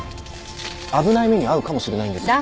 危ない目に遭うかもしれないんです。